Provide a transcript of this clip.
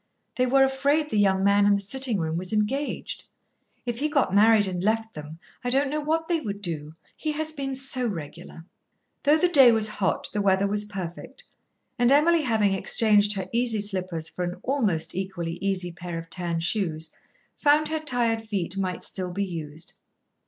"They were afraid the young man in the sitting room was engaged. If he got married and left them, I don't know what they would do; he has been so regular." Though the day was hot, the weather was perfect, and Emily, having exchanged her easy slippers for an almost equally easy pair of tan shoes, found her tired feet might still be used.